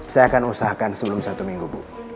saya akan usahakan sebelum satu minggu bu